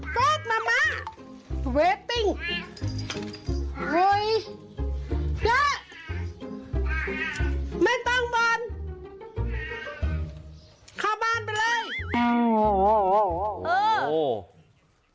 กรี๊ดไม่ต้องบนเข้าบ้านไปเลย